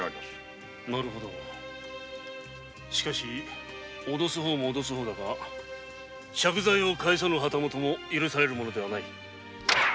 なるほどしかし脅す方も脅す方だが借財を返さぬ旗本も許されるものではない。